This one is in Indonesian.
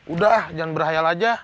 udah jangan berhayal aja